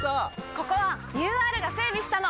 ここはＵＲが整備したの！